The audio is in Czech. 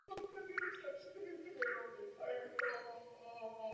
Pojme několik tisíc věřících.